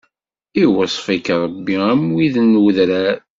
Iweṣṣf-ik Ṛebbi am widen n wudrar.